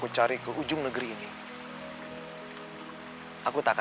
kaulah jodohku yang selama ini aku cari